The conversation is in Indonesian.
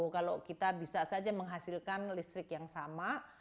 kalau kita bisa saja menghasilkan listrik yang sama